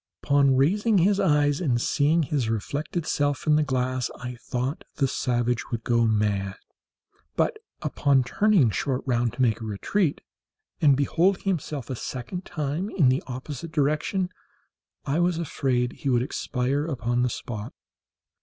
Upon raising his eyes and seeing his reflected self in the glass, I thought the savage would go mad; but, upon turning short round to make a retreat, and beholding himself a second time in the opposite direction, I was afraid he would expire upon the spot.